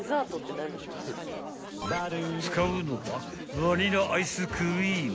［使うのはバニラアイスクリーム］